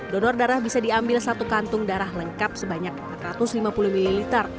donor darah bisa diambil satu kantung darah lengkap sebanyak empat ratus lima puluh ml